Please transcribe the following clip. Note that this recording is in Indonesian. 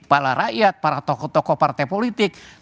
kepala rakyat para tokoh tokoh partai politik